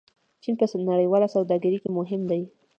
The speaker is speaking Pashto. چین په نړیواله سوداګرۍ کې مهم دی.